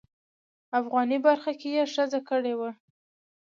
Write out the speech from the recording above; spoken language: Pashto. افغاني برخه کې یې ښځه کړې وه.